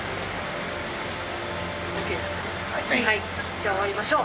じゃあ終わりましょう。